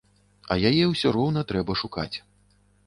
А яе ўсё роўна трэба шукаць.